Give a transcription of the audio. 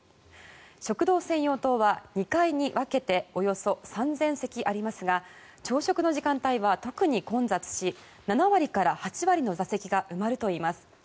食堂専用棟は２階に分けておよそ３０００席ありますが朝食の時間帯は特に混雑し７割から８割の座席が埋まるといいます。